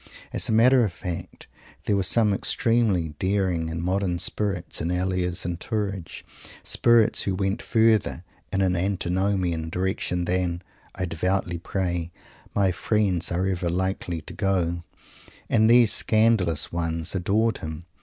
As a matter of fact, there were some extremely daring and modern spirits in Elia's "entourage," spirits who went further in an antinomian direction than I devoutly pray my friends are ever likely to go, and these scandalous ones adored him.